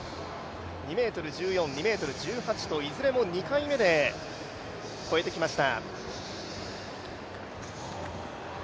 ２ｍ１４、２ｍ１８といずれも２回目で越えてきました。